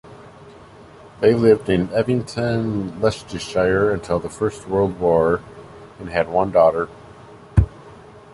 They lived in Evington, Leicestershire until the First World War, and had one daughter.